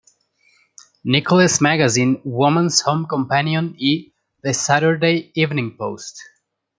Nicholas Magazine", "Woman's Home Companion" y "The Saturday Evening Post.